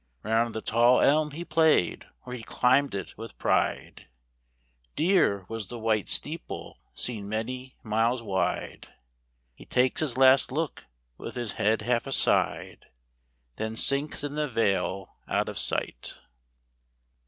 Round the tall elm he played, or he climbed it with pride; Dear was the white steeple seen many miles wide; He takes his last, look with his head half aside, Then sinks in the vale out of sight.